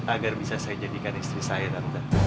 agar bisa saya jadikan istri saya dan